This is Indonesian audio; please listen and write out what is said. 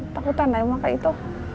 takut aneh maka itu